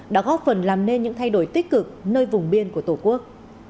đã góp phần làm nên những thay đổi tích cực nơi vùng biên của tổ quốc